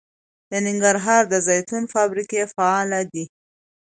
د ننګرهار د زیتون فابریکه فعاله ده.